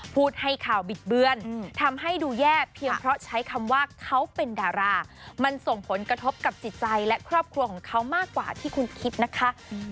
พูดให้ข่าวบิดเบือนทำให้ดูแย่เพียงเพราะใช้คำว่าเขาเป็นดารามันส่งผลกระทบกับจิตใจและครอบครัวของเขามากกว่าที่คุณคิดนะคะ